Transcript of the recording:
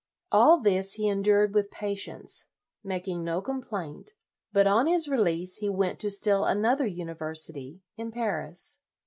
All this he endured with patience, making no complaint, but on his release, he went to still another university, in Paris.